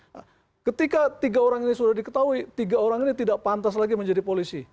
jadi ketika tiga orang ini sudah diketahui tiga orang ini tidak pantas lagi menjadi polisi